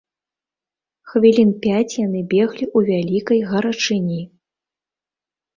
Хвілін пяць яны беглі ў вялікай гарачыні.